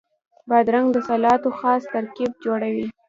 بادرنګ د سلاتو خاص ترکیب جوړوي.